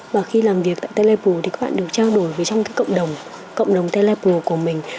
và khi làm việc tại telepro thì các bạn được trao đổi với trong cộng đồng telepro của mình